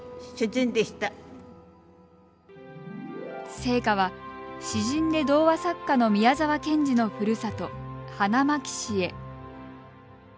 聖火は、詩人で童話作家の宮沢賢治のふるさと花巻市へ。